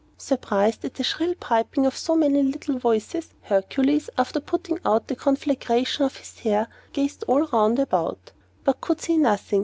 Surprised at the shrill piping of so many little voices, Hercules, after putting out the conflagration of his hair, gazed all round about, but could see nothing.